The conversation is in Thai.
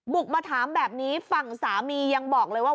มาถามแบบนี้ฝั่งสามียังบอกเลยว่า